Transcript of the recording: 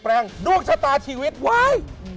แรงดวงชะตาชีวิตไว้